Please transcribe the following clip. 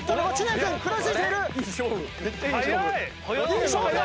いい勝負だ！